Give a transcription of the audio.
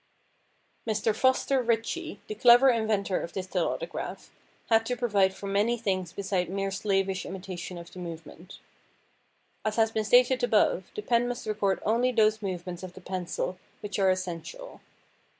Mr. Foster Ritchie, the clever inventor of this telautograph, had to provide for many things besides mere slavish imitation of movement. As has been stated above, the pen must record only those movements of the pencil which are essential.